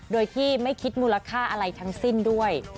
โดยที่ไม่คิดมูลค่าอะไรทั้งสิ้นด้วย